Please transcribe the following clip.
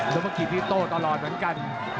สมภกิจนี่โต้ตลอดเหมือนกัน